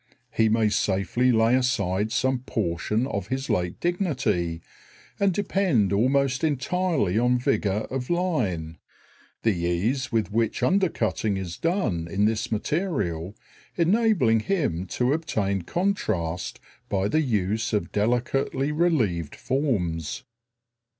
He may safely lay aside some portion of his late dignity, and depend almost entirely on vigour of line; the ease with which under cutting is done in this material enabling him to obtain contrast by the use of delicately relieved forms.